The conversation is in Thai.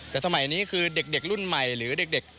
แต่สมัยนี้คือเด็กรุ่นใหม่หรือเด็ก